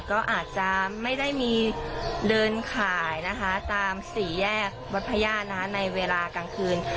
ก็อาจจะไม่ได้มีเดินขายนะคะตามสี่แยกวัดพระย่าในเวลากลางคืน